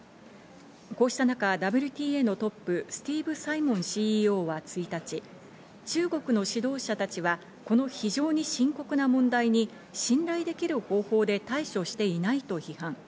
こうした中、ＷＴＡのトップ、スティーブ・サイモンＣＥＯは１日、中国の指導者たちはこの非常に深刻な問題に信頼できる方法で対処していないと批判。